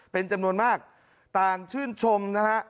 เป็นจำนวนมากต่างชื่นชมนะฮะ